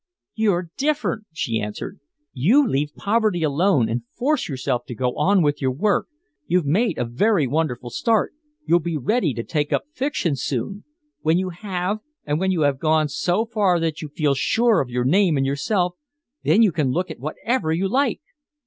"You're different," she answered. "You leave poverty alone and force yourself to go on with your work. You've made a very wonderful start. You'll be ready to take up fiction soon. When you have, and when you have gone so far that you can feel sure of your name and yourself, then you can look at whatever you like."